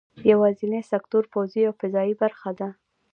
یوازینی سکتور پوځي او فضايي برخه وه.